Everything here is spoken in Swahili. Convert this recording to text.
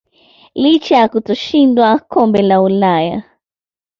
licha ya kutoshindwa kombe la Ulaya